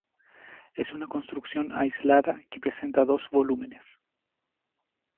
Es una construcción aislada que presenta dos volúmenes.